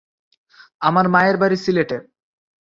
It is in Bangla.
আমার মায়ের বাড়ি সিলেটে।